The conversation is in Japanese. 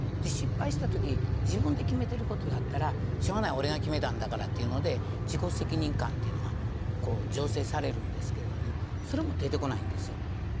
失敗した時自分で決めてる事だったらしょうがない俺が決めたんだからというので自己責任感というのがこう醸成されるんですけれどもそれも出てこないんですよ。